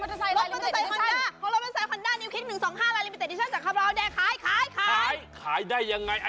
มันของหุ่นจะนะด้วยยังไง